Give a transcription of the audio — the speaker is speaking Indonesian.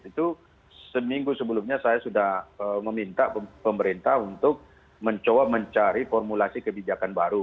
itu seminggu sebelumnya saya sudah meminta pemerintah untuk mencoba mencari formulasi kebijakan baru